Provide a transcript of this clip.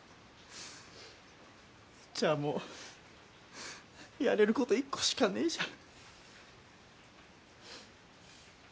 じゃあもうやれること一個しかねえじゃん